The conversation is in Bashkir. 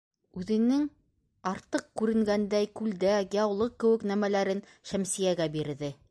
Үҙенең артыҡ күренгәндәй күлдәк, яулыҡ кеүек нәмәләрен Шәмсиәгә бирҙе: